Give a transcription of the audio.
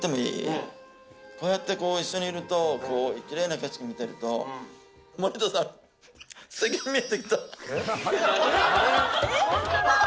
こうやって一緒にいると綺麗な景色見てると、森田さん、すてきに見えてきた。